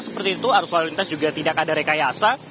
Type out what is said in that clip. seperti itu arus lalu lintas juga tidak ada rekayasa